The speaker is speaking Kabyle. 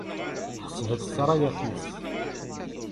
Ḥesbet ssṛayat-is.